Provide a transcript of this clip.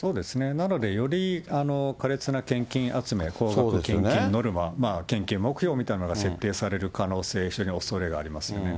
なのでより苛烈な献金集め、高額献金ノルマ、献金目標みたいなのが設定される可能性、非常におそれがありますよね。